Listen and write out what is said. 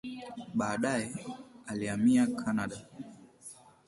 Baadaye alihamia Kanada.